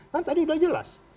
kan tadi sudah jelas